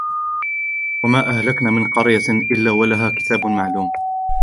وما أهلكنا من قرية إلا ولها كتاب معلوم